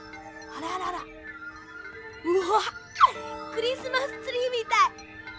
クリスマスツリーみたい！